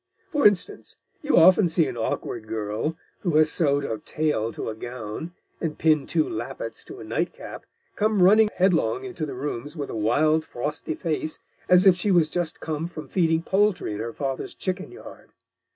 For Instance, you often see an awkward Girl, who has sewed a Tail to a Gown, and pinned two Lappits to a Night cap, come running headlong into the Rooms with a wild, frosty Face, as if she was just come from feeding Poultry in her Father's Chicken Yard.